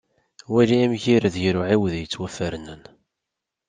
Wali amgired gar uɛiwed yettwafernen.